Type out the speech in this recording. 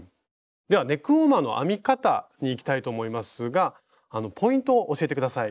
ではネックウォーマーの編み方にいきたいと思いますがポイントを教えて下さい。